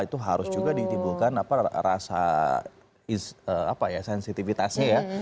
itu harus juga ditimbulkan rasa sensitivitasnya ya